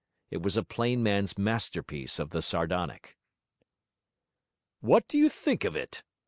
It was a plain man's masterpiece of the sardonic. 'What do you think of it?'